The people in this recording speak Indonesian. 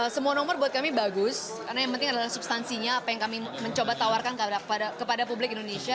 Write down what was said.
semua nomor buat kami bagus karena yang penting adalah substansinya apa yang kami mencoba tawarkan kepada publik indonesia